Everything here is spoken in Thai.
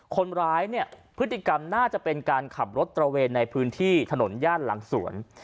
คนร้ายเนี่ยพฤติกรรมน่าจะเป็นการขับรถตระเวนในพื้นที่ถนนย่านหลังสวน